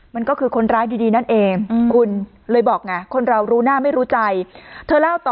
มันก็คือคนร้ายดีนั่นเองคุณเลยบอกไงคนเรารู้หน้าไม่รู้ใจเธอเล่าต่อ